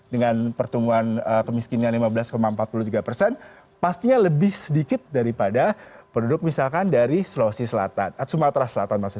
dengan pertumbuhan kemiskinan lima belas empat puluh tiga persen pastinya lebih sedikit daripada penduduk misalkan dari sulawesi selatan sumatera selatan maksudnya